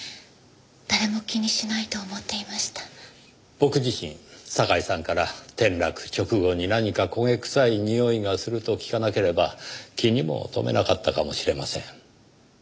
僕自身堺さんから転落直後に何か焦げ臭いにおいがすると聞かなければ気にも留めなかったかもしれません。